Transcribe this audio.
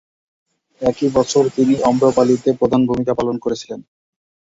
একই বছর তিনি "অম্রপালি"তে প্রধান ভূমিকা পালন করেছিলেন।